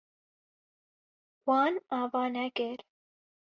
Wan ava nekir.